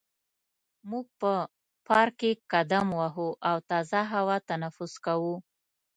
موږ په پارک کې قدم وهو او تازه هوا تنفس کوو.